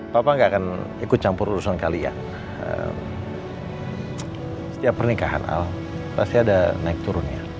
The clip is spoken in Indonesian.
papa nggak akan ikut campur urusan kalian setiap pernikahan al pasti ada naik turunnya